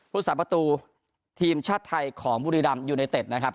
พรุษศาสตร์ประตูทีมชาติไทยของบุรีรัมย์ยูไนเต็ดนะครับ